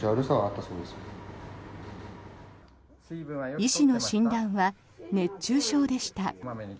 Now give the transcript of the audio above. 医師の診断は熱中症でした。